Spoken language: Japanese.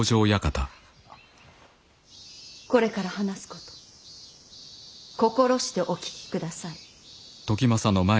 これから話すこと心してお聞きください。